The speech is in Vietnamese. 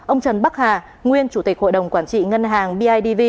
ông trần bắc hà nguyên chủ tịch hội đồng quản trị ngân hàng bidv